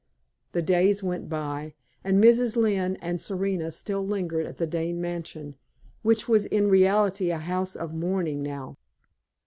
The days went by, and Mrs. Lynne and Serena still lingered at the Dane mansion, which was in reality a house of mourning now.